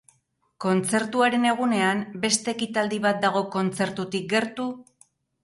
Kontzertuaren egunean beste ekitaldi bat dago kontzertutik gertu?